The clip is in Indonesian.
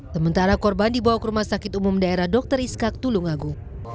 sementara korban dibawa ke rumah sakit umum daerah dr iskak tulungagu